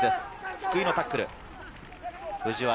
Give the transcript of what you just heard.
福井のタックル。